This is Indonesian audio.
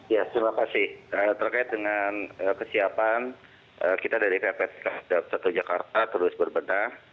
ya terima kasih terkait dengan kesiapan kita dari ppd satu jakarta terus berbenah